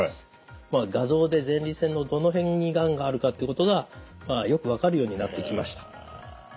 画像で前立腺のどの辺にがんがあるかっていうことがよく分かるようになってきました。